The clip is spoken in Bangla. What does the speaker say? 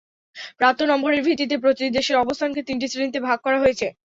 প্রাপ্ত নম্বরের ভিত্তিতে প্রতিটি দেশের অবস্থানকে তিনটি শ্রেণিতে ভাগ করা হয়েছে।